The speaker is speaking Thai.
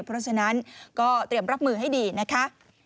เพราะฉะนั้นก็เตรียมรับมือให้ดีนะคะ